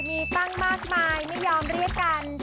มีตั้งมากมายไม่ยอมเรียกกัน